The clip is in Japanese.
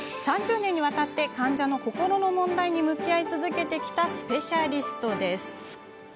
３０年にわたり患者の心の問題に向き合い続けてきたスペシャリストです。